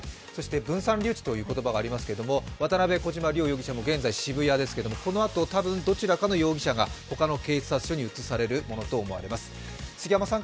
分散留置という言葉がありますけど、渡辺、小島両容疑者は渋谷ですけれども、このあとたぶんどちらかの容疑者がほかの警察署に移されると思います。